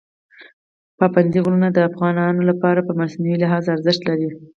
پابندی غرونه د افغانانو لپاره په معنوي لحاظ ارزښت لري.